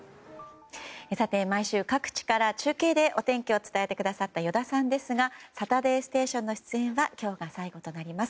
毎週、各地から中継でお天気を伝えてくださった依田さんですが「サタデーステーション」の出演は今日が最後となります。